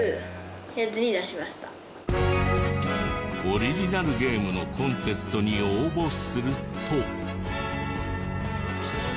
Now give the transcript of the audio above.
オリジナルゲームのコンテストに応募すると。